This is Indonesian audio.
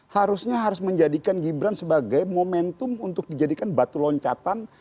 harusnya harus menjadikan gibran sebagai momentum untuk dijadikan batu loncatan